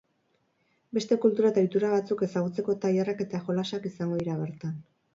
Beste kultura eta ohitura batzuk ezagutzeko tailerrak eta jolasak izango dira bertan.